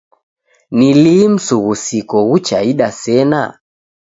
Ni lii msughusiko ghuchaida sena?